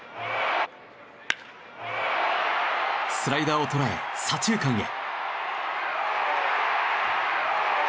スライダーを捉え左中間へ。